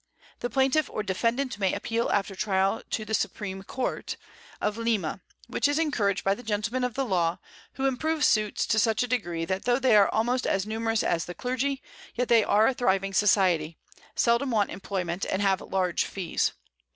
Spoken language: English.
The Plaintiff or Defendant may appeal after Trial to the Supream Court of Lima, which is encourag'd by the Gentlemen of the Law, who improve Suits to such a Degree, that tho' they are almost as numerous as the Clergy, yet they are a thriving Society, seldom want Imployment, and have large Fees.